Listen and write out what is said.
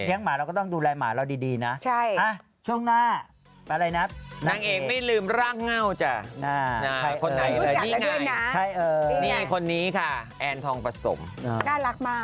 แต่ต้องใส่ค่ะ